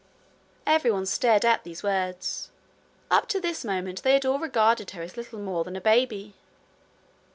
Every one stared at these words. Up to this moment they had all regarded her as little more than a baby.